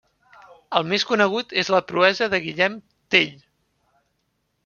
El més conegut és la proesa de Guillem Tell.